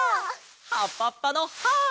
「はっぱっぱのハーッ！」